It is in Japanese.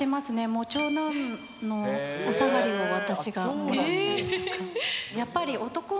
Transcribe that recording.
もう長男のお下がりを私がもらったりとか。